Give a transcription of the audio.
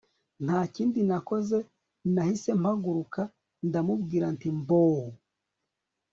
ntakindi nakoze nahise mpaguruka ndamubwira nti mboo